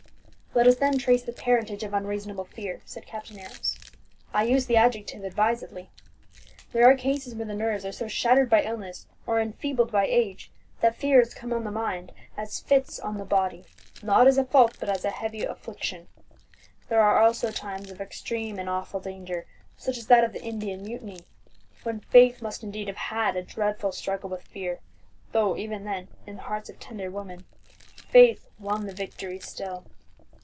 "Let us then trace the parentage of unreasonable fear," said Captain Arrows. "I use the adjective advisedly. There are cases where the nerves are so shattered by illness, or enfeebled by age, that fears come on the mind, as fits on the body, not as a fault but as a heavy affliction. There are also times of extreme and awful danger, such as that of the Indian Mutiny, when faith must indeed have had a dread struggle with fear; though even then, in the hearts of tender women, faith won the victory still.